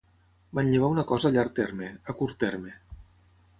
Manllevar una cosa a llarg terme, a curt terme.